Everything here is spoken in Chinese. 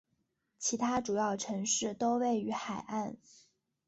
其他主要城市都位于海岸。